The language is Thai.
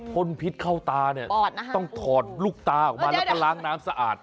คนพิษเข้าตาเนี่ยต้องถอดลูกตาออกมาแล้วก็ล้างน้ำสะอาด